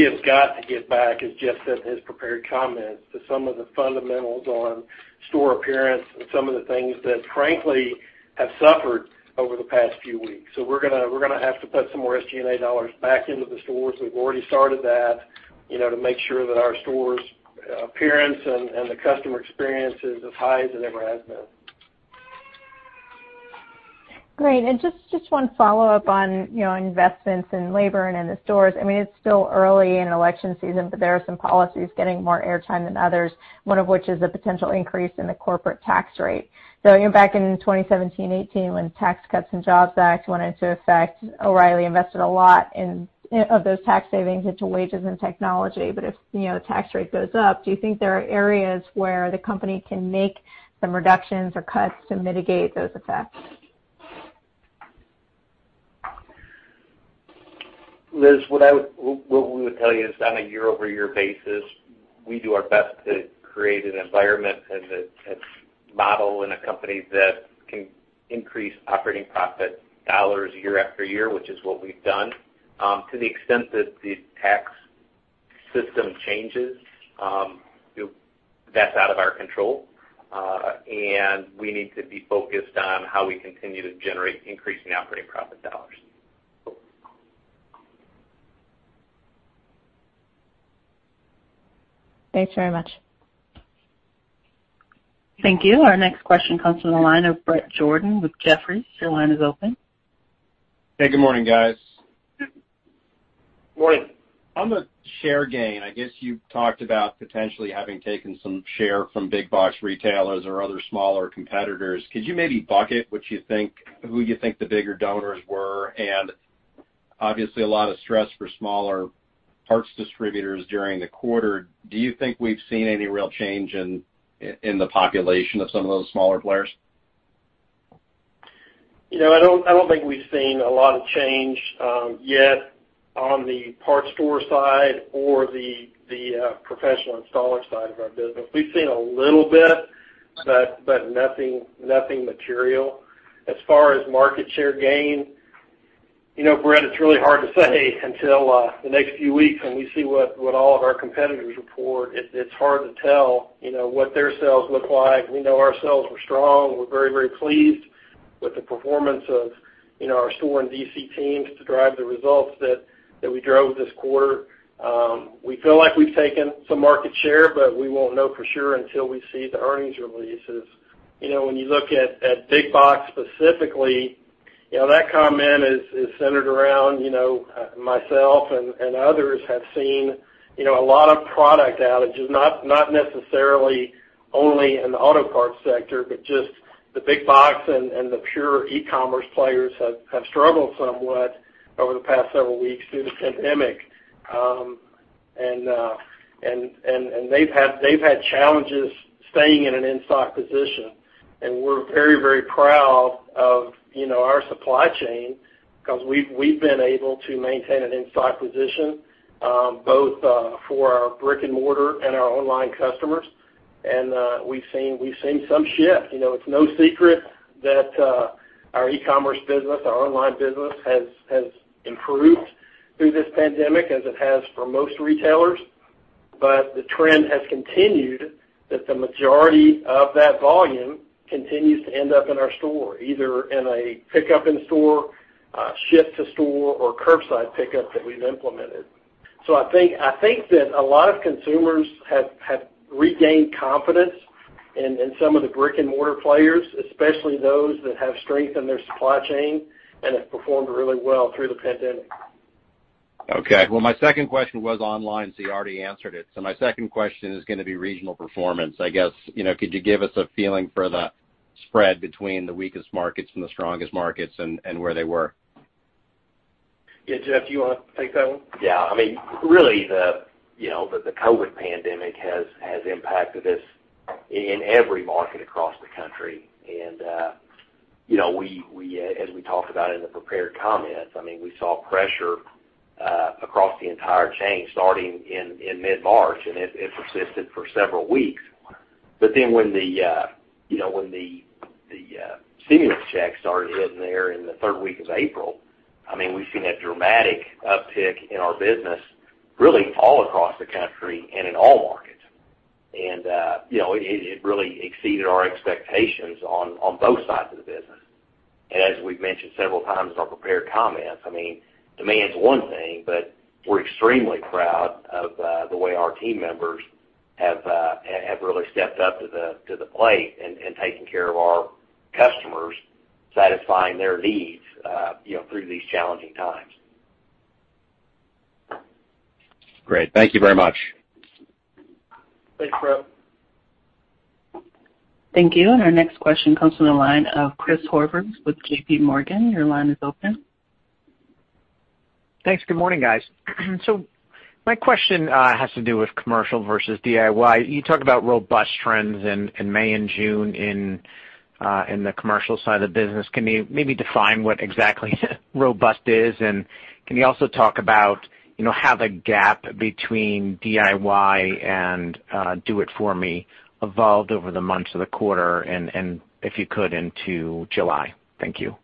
C: have got to get back, as Jeff said in his prepared comments, to some of the fundamentals on store appearance and some of the things that frankly have suffered over the past few weeks. We're going to have to put some more SG&A dollars back into the stores. We've already started that to make sure that our stores appearance and the customer experience is as high as it ever has been.
F: Great. Just one follow-up on investments in labor and in the stores. It's still early in election season, but there are some policies getting more airtime than others, one of which is the potential increase in the corporate tax rate. Back in 2017, 2018, when Tax Cuts and Jobs Act went into effect, O'Reilly invested a lot of those tax savings into wages and technology. If the tax rate goes up, do you think there are areas where the company can make some reductions or cuts to mitigate those effects?
B: Liz, what we would tell you is on a year-over-year basis, we do our best to create an environment and a model and a company that can increase operating profit dollars year after year, which is what we've done. To the extent that the tax system changes, that's out of our control. We need to be focused on how we continue to generate increasing operating profit dollars.
F: Thanks very much.
A: Thank you. Our next question comes from the line of Bret Jordan with Jefferies. Your line is open.
G: Hey, good morning, guys.
C: Morning.
G: On the share gain, I guess you talked about potentially having taken some share from big box retailers or other smaller competitors. Could you maybe bucket who you think the bigger donors were? Obviously a lot of stress for smaller parts distributors during the quarter. Do you think we've seen any real change in the population of some of those smaller players?
C: I don't think we've seen a lot of change yet on the parts store side or the professional installer side of our business. We've seen a little bit, but nothing material. As far as market share gain, Bret, it's really hard to say until the next few weeks when we see what all of our competitors report. It's hard to tell what their sales look like. We know our sales were strong. We're very, very pleased with the performance of our store and DC teams to drive the results that we drove this quarter. We feel like we've taken some market share, but we won't know for sure until we see the earnings releases. When you look at big box specifically, that comment is centered around myself and others have seen a lot of product outages, not necessarily only in the auto parts sector, but just the big box and the pure e-commerce players have struggled somewhat over the past several weeks through the pandemic. They've had challenges staying in an in-stock position. We're very, very proud of our supply chain because we've been able to maintain an in-stock position both for our brick and mortar and our online customers. We've seen some shift. It's no secret that our e-commerce business, our online business, has improved through this pandemic as it has for most retailers. The trend has continued that the majority of that volume continues to end up in our store, either in a pickup in store, ship to store, or curbside pickup that we've implemented. I think that a lot of consumers have regained confidence in some of the brick and mortar players, especially those that have strengthened their supply chain and have performed really well through the pandemic.
G: Okay. Well, my second question was online, so you already answered it. My second question is going to be regional performance. I guess, could you give us a feeling for the spread between the weakest markets and the strongest markets and where they were?
C: Yeah, Jeff, you want to take that one?
D: Yeah. Really the COVID pandemic has impacted us in every market across the country. As we talked about in the prepared comments, we saw pressure across the entire chain starting in mid-March, and it persisted for several weeks. When the stimulus checks started hitting there in the third week of April, we've seen a dramatic uptick in our business, really all across the country and in all markets. It really exceeded our expectations on both sides of the business. As we've mentioned several times in our prepared comments, demand's one thing, but we're extremely proud of the way our team members have really stepped up to the plate and taken care of our customers, satisfying their needs through these challenging times.
G: Great. Thank you very much.
C: Thanks, Bret.
A: Thank you. Our next question comes from the line of Chris Horvers with J.P. Morgan. Your line is open.
H: Thanks. Good morning, guys. My question has to do with commercial versus DIY. You talk about robust trends in May and June in the commercial side of the business. Can you maybe define what exactly robust is? Can you also talk about how the gap between DIY and do it for me evolved over the months of the quarter and, if you could, into July? Thank you.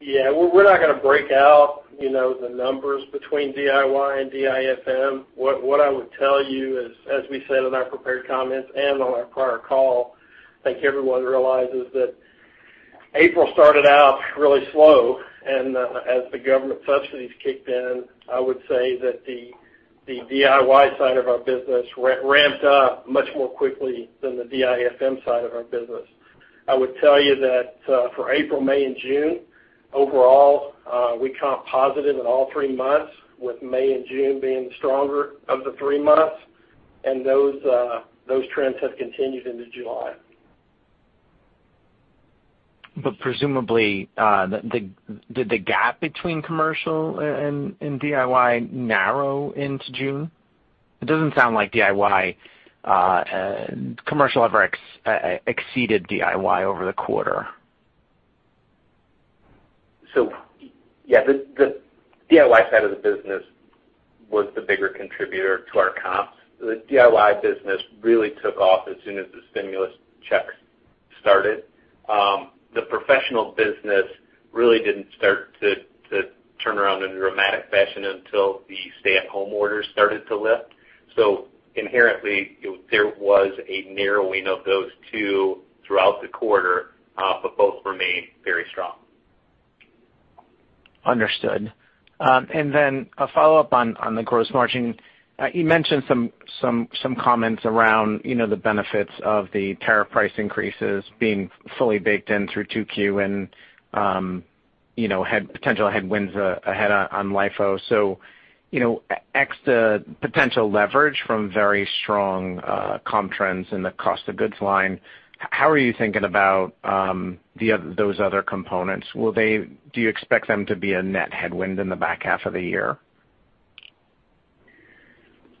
C: Yeah. We're not going to break out the numbers between DIY and DIFM. What I would tell you is, as we said in our prepared comments and on our prior call, I think everyone realizes that April started out really slow, and as the government subsidies kicked in, I would say that the DIY side of our business ramped up much more quickly than the DIFM side of our business. I would tell you that for April, May, and June, overall, we comped positive in all three months, with May and June being the stronger of the three months, and those trends have continued into July.
H: Presumably, did the gap between commercial and DIY narrow into June? It doesn't sound like commercial ever exceeded DIY over the quarter.
B: Yeah, the DIY side of the business was the bigger contributor to our comps. The DIY business really took off as soon as the stimulus checks started. The professional business really didn't start to turn around in a dramatic fashion until the stay-at-home orders started to lift. Inherently, there was a narrowing of those two throughout the quarter, but both remained very strong.
H: Understood. Then a follow-up on the gross margin. You mentioned some comments around the benefits of the tariff price increases being fully baked in through 2Q and had potential headwinds ahead on LIFO. Ex the potential leverage from very strong comp trends in the cost of goods line, how are you thinking about those other components? Do you expect them to be a net headwind in the back half of the year?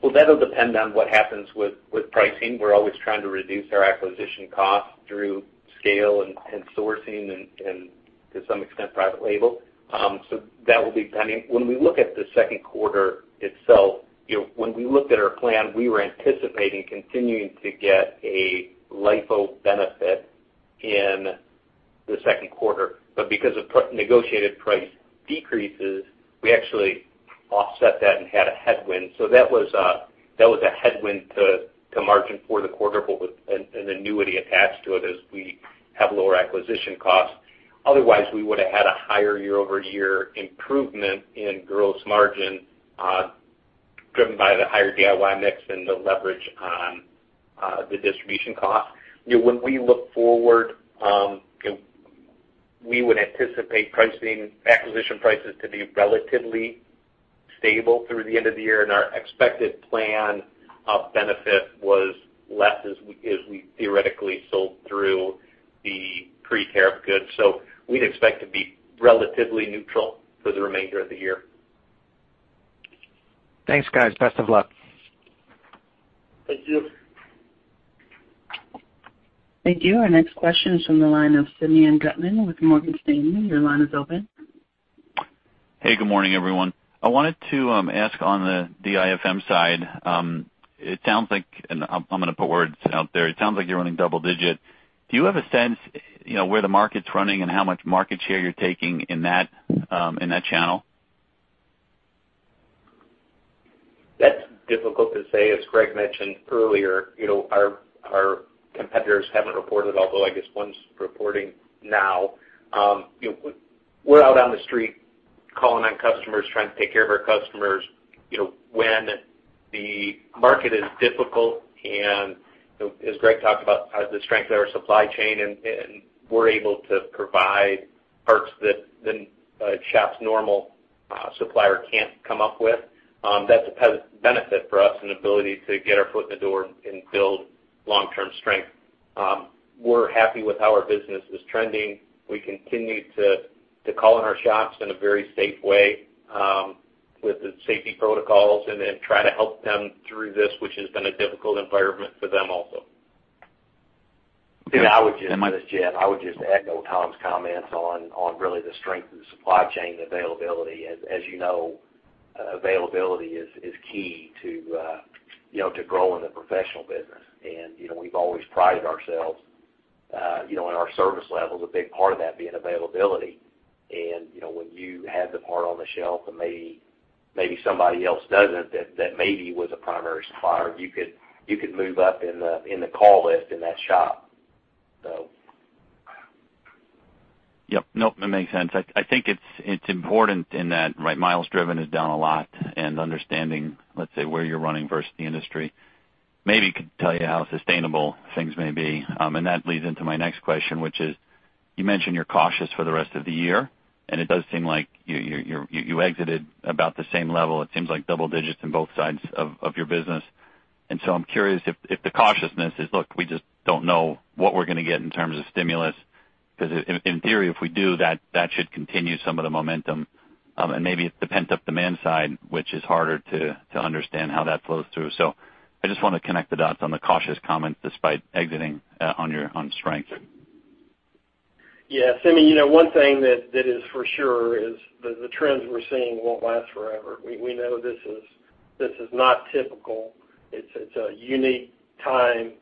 B: Well, that'll depend on what happens with pricing. We're always trying to reduce our acquisition costs through scale and sourcing and to some extent, private label. That will be pending. When we look at the second quarter itself, when we looked at our plan, we were anticipating continuing to get a LIFO benefit in the second quarter. Because of negotiated price decreases, we actually offset that and had a headwind. That was a headwind to margin for the quarter, but with an annuity attached to it as we have lower acquisition costs. Otherwise, we would've had a higher year-over-year improvement in gross margin, driven by the higher DIY mix and the leverage on the distribution cost. When we look forward, we would anticipate acquisition prices to be relatively stable through the end of the year, and our expected plan of benefit was less as we theoretically sold through the pre-tariff goods. We'd expect to be relatively neutral for the remainder of the year.
H: Thanks, guys. Best of luck.
C: Thank you.
A: Thank you. Our next question is from the line of Simeon Gutman with Morgan Stanley. Your line is open.
I: Hey, good morning, everyone. I wanted to ask on the DIFM side, and I'm going to put words out there, it sounds like you're running double digit. Do you have a sense where the market's running and how much market share you're taking in that channel?
B: That's difficult to say. As Greg mentioned earlier, our competitors haven't reported, although I guess one's reporting now. We're out on the street calling on customers, trying to take care of our customers when the market is difficult, and as Greg talked about, the strength of our supply chain, and we're able to provide parts that a shop's normal supplier can't come up with. That's a benefit for us, and ability to get our foot in the door and build long-term strength. We're happy with how our business is trending. We continue to call on our shops in a very safe way, with the safety protocols, and then try to help them through this, which has been a difficult environment for them also.
D: Simeon- This is Jeff Shaw. I would just echo Tom's comments on really the strength of the supply chain availability. As you know, availability is key to grow in the professional business. We've always prided ourselves on our service levels, a big part of that being availability. When you have the part on the shelf and maybe somebody else doesn't that maybe was a primary supplier, you could move up in the call list in that shop.
I: Yep. Nope, that makes sense. I think it's important in that miles driven is down a lot and understanding, let's say, where you're running versus the industry maybe could tell you how sustainable things may be. That leads into my next question, which is, you mentioned you're cautious for the rest of the year, and it does seem like you exited about the same level. It seems like double digits in both sides of your business. I'm curious if the cautiousness is, look, we just don't know what we're going to get in terms of stimulus because in theory, if we do, that should continue some of the momentum. Maybe it's the pent-up demand side, which is harder to understand how that flows through. I just want to connect the dots on the cautious comment despite exiting on strength.
C: Yeah. Simeon, one thing that is for sure is the trends we're seeing won't last forever. We know this is not typical. It's a unique time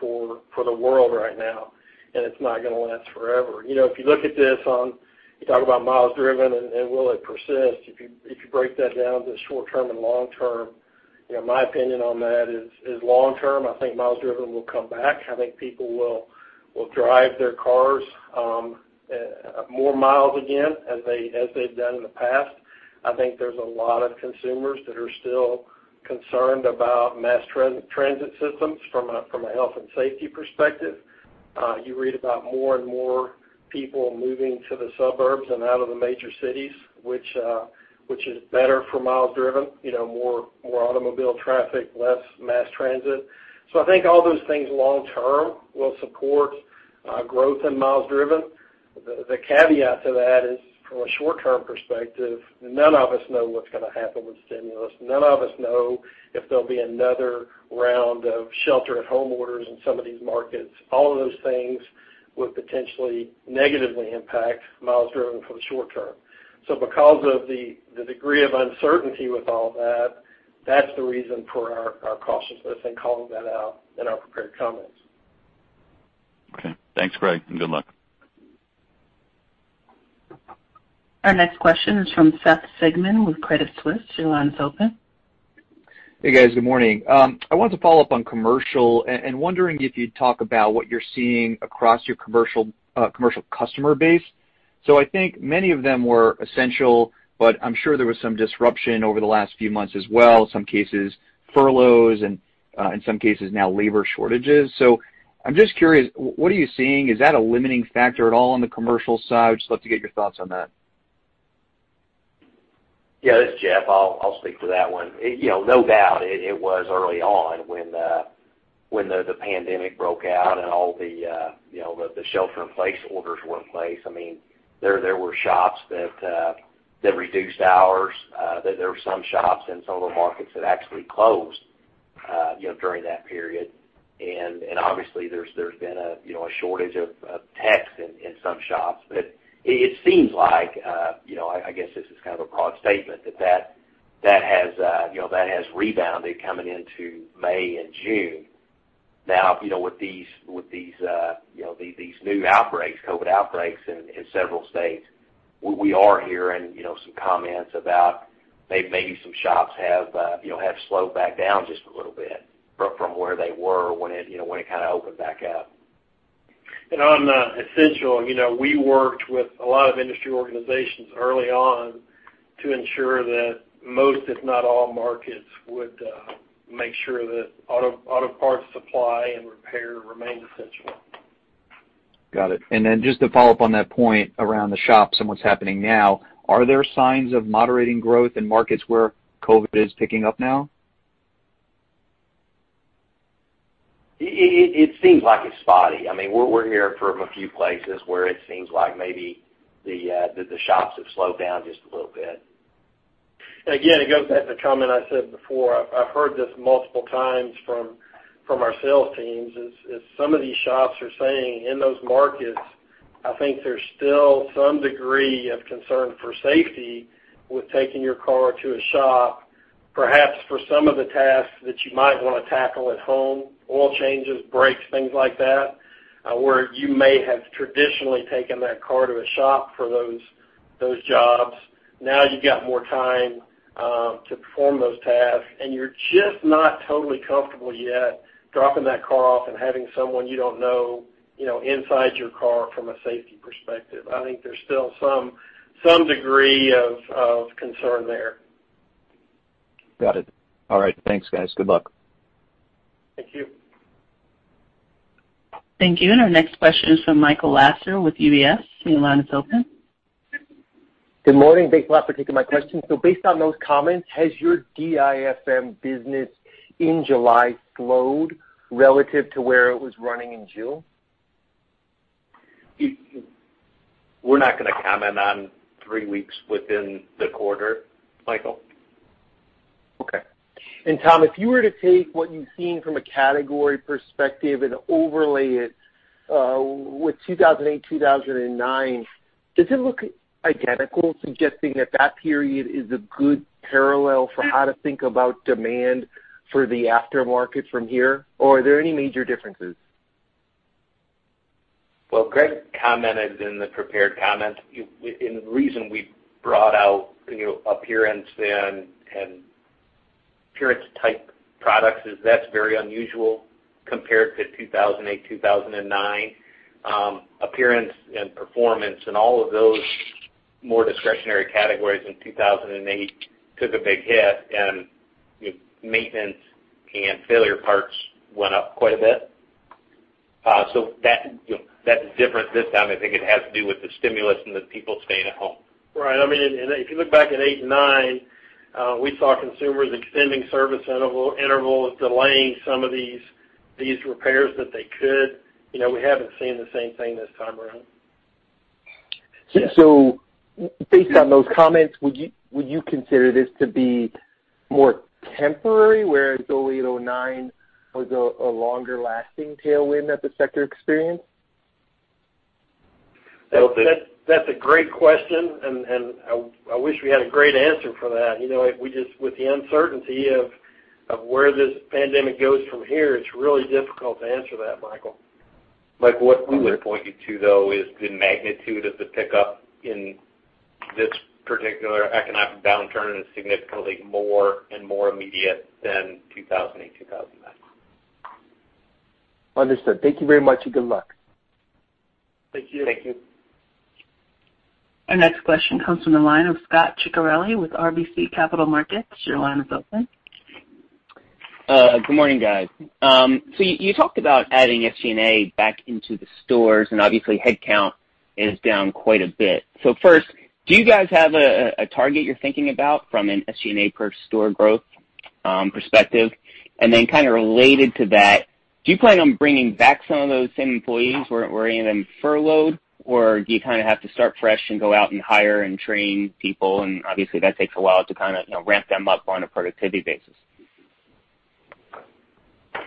C: for the world right now. It's not going to last forever. If you look at this on, you talk about miles driven. Will it persist? If you break that down to short term and long term. My opinion on that is long term, I think miles driven will come back. I think people will drive their cars more miles again, as they've done in the past. I think there's a lot of consumers that are still concerned about mass transit systems from a health and safety perspective. You read about more and more people moving to the suburbs and out of the major cities, which is better for miles driven. More automobile traffic, less mass transit. I think all those things long term will support growth in miles driven. The caveat to that is, from a short-term perspective, none of us know what's going to happen with stimulus. None of us know if there'll be another round of shelter at home orders in some of these markets. All of those things would potentially negatively impact miles driven for the short term. Because of the degree of uncertainty with all that's the reason for our cautiousness in calling that out in our prepared comments.
I: Okay. Thanks, Greg, and good luck.
A: Our next question is from Seth Sigman with Credit Suisse. Your line is open.
J: Hey, guys. Good morning. I wanted to follow up on commercial, wondering if you'd talk about what you're seeing across your commercial customer base. I think many of them were essential, I'm sure there was some disruption over the last few months as well, some cases furloughs and in some cases now labor shortages. I'm just curious, what are you seeing? Is that a limiting factor at all on the commercial side? Just love to get your thoughts on that.
D: This is Jeff. I'll speak to that one. No doubt it was early on when the pandemic broke out and all the shelter in place orders were in place. There were shops that reduced hours. There were some shops in some of the markets that actually closed during that period. Obviously, there's been a shortage of techs in some shops. It seems like, I guess this is kind of a broad statement, that has rebounded coming into May and June. Now, with these new COVID outbreaks in several states, we are hearing some comments about maybe some shops have slowed back down just a little bit from where they were when it kind of opened back up.
C: On essential, we worked with a lot of industry organizations early on to ensure that most, if not all markets, would make sure that auto parts supply and repair remained essential.
J: Got it. Then just to follow up on that point around the shops and what's happening now, are there signs of moderating growth in markets where COVID is picking up now?
D: It seems like it's spotty. We're hearing from a few places where it seems like maybe the shops have slowed down just a little bit.
C: Again, it goes back to the comment I said before. I've heard this multiple times from our sales teams, is some of these shops are saying in those markets, I think there's still some degree of concern for safety with taking your car to a shop, perhaps for some of the tasks that you might want to tackle at home, oil changes, brakes, things like that, where you may have traditionally taken that car to a shop for those jobs. Now you've got more time to perform those tasks, and you're just not totally comfortable yet dropping that car off and having someone you don't know inside your car from a safety perspective. I think there's still some degree of concern there.
J: Got it. All right. Thanks, guys. Good luck.
C: Thank you.
A: Thank you. Our next question is from Michael Lasser with UBS. Your line is open.
K: Good morning. Thanks a lot for taking my question. Based on those comments, has your DIFM business in July slowed relative to where it was running in June?
D: We're not going to comment on three weeks within the quarter, Michael.
K: Okay. Tom, if you were to take what you've seen from a category perspective and overlay it with 2008, 2009, does it look identical, suggesting that that period is a good parallel for how to think about demand for the aftermarket from here? Or are there any major differences?
B: Well, Greg commented in the prepared comment. The reason we brought out appearance type products is that's very unusual compared to 2008, 2009. Appearance and performance and all of those more discretionary categories in 2008 took a big hit, and maintenance and failure parts went up quite a bit. That is different this time. I think it has to do with the stimulus and the people staying at home.
C: Right. If you look back at 2008 and 2009, we saw consumers extending service intervals, delaying some of these repairs that they could. We haven't seen the same thing this time around.
K: Based on those comments, would you consider this to be more temporary, whereas 2008, 2009 was a longer lasting tailwind that the sector experienced?
C: That's a great question. I wish we had a great answer for that. With the uncertainty of where this pandemic goes from here, it's really difficult to answer that, Michael.
B: What we would point you to, though, is the magnitude of the pickup in this particular economic downturn is significantly more and more immediate than 2008, 2009.
K: Understood. Thank you very much, and good luck.
B: Thank you.
D: Thank you.
A: Our next question comes from the line of Scot Ciccarelli with RBC Capital Markets. Your line is open.
L: Good morning, guys. You talked about adding SG&A back into the stores, and obviously headcount is down quite a bit. First, do you guys have a target you're thinking about from an SG&A per store growth perspective? Then kind of related to that, do you plan on bringing back some of those same employees who are even furloughed, or do you kind of have to start fresh and go out and hire and train people, and obviously that takes a while to kind of ramp them up on a productivity basis?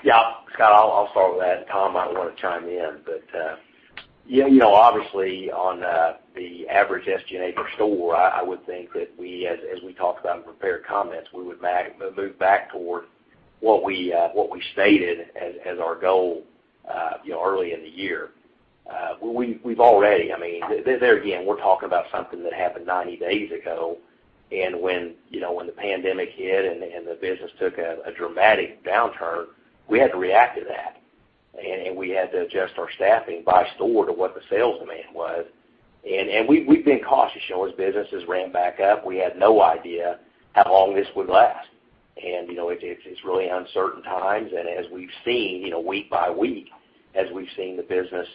D: Yeah, Scot, I'll start with that, and Tom might want to chime in. Obviously, on the average SG&A per store, I would think that as we talked about in prepared comments, we would move back toward what we stated as our goal early in the year. There again, we're talking about something that happened 90 days ago, and when the pandemic hit and the business took a dramatic downturn, we had to react to that, and we had to adjust our staffing by store to what the sales demand was. We've been cautious. As business has ramped back up, we had no idea how long this would last. It's really uncertain times, and as we've seen week by week, as we've seen the business,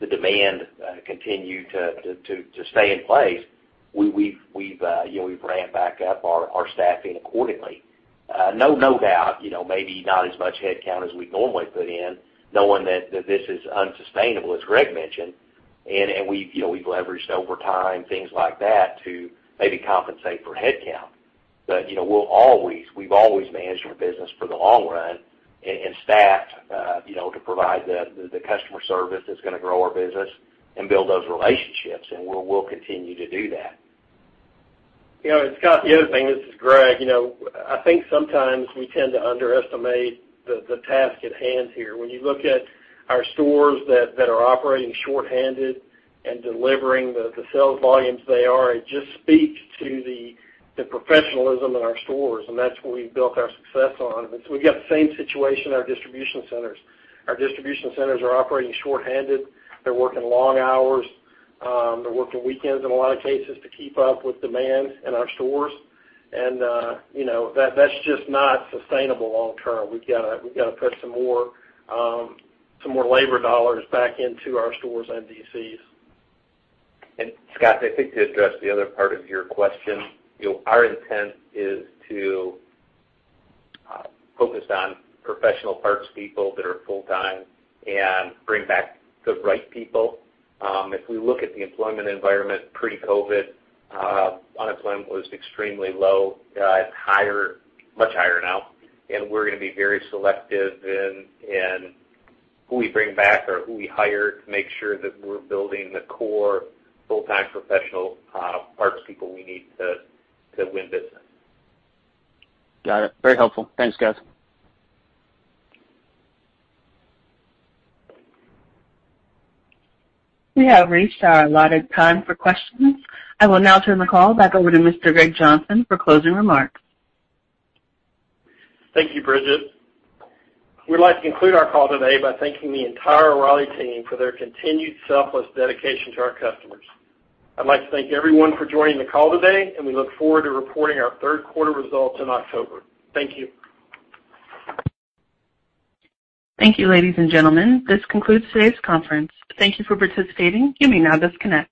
D: the demand continue to stay in place, we've ramped back up our staffing accordingly. No doubt, maybe not as much headcount as we'd normally put in, knowing that this is unsustainable, as Greg mentioned. We've leveraged overtime, things like that, to maybe compensate for headcount. We've always managed our business for the long run and staffed to provide the customer service that's going to grow our business and build those relationships, and we'll continue to do that.
C: Scot, the other thing, this is Greg. I think sometimes we tend to underestimate the task at hand here. When you look at our stores that are operating shorthanded and delivering the sales volumes they are, it just speaks to the professionalism in our stores, and that's what we've built our success on. We've got the same situation in our distribution centers. Our distribution centers are operating shorthanded. They're working long hours. They're working weekends in a lot of cases to keep up with demand in our stores. That's just not sustainable long term. We've got to put some more labor dollars back into our stores and DCs.
B: Scot, I think to address the other part of your question, our intent is to focus on professional parts people that are full-time and bring back the right people. If we look at the employment environment pre-COVID, unemployment was extremely low. It's much higher now, we're going to be very selective in who we bring back or who we hire to make sure that we're building the core full-time professional parts people we need to win business.
L: Got it. Very helpful. Thanks, guys.
A: We have reached our allotted time for questions. I will now turn the call back over to Mr. Greg Johnson for closing remarks.
C: Thank you, Bridget. We'd like to conclude our call today by thanking the entire O'Reilly team for their continued selfless dedication to our customers. I'd like to thank everyone for joining the call today, and we look forward to reporting our third quarter results in October. Thank you.
A: Thank you, ladies and gentlemen. This concludes today's conference. Thank you for participating. You may now disconnect.